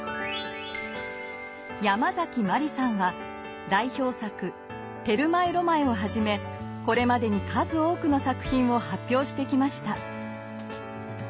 ヤマザキマリさんは代表作「テルマエ・ロマエ」をはじめこれまでに数多くの作品を発表してきました。